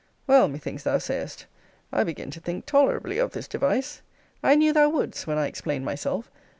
Well, methinks thou sayest, I begin to think tolerably of this device. I knew thou wouldst, when I explained myself.